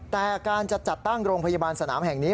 แต่การจะจัดตั้งโรงพยาบาลสนามแห่งนี้